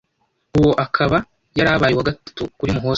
uwo akaba yari abaye uwa gatatu kuri Muhoza.